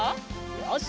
よし！